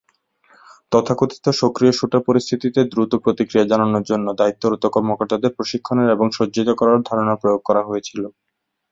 তথাকথিত সক্রিয় শ্যুটার পরিস্থিতিতে দ্রুত প্রতিক্রিয়া জানানোর জন্য দায়িত্বরত কর্মকর্তাদের প্রশিক্ষণের এবং সজ্জিত করার ধারণা প্রয়োগ করা হয়েছিল।